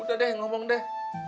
udah deh ngomong deh